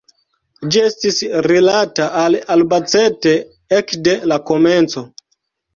Ĝi estis rilata al Albacete ekde la komenco.